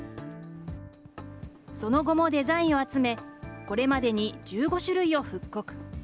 その後もデザインを集め、これまでに１５種類を復刻。